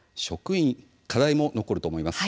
課題も残ると思います。